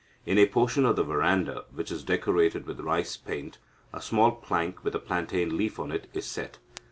In a portion of the verandah, which is decorated with rice paint, a small plank, with a plantain leaf on it, is set.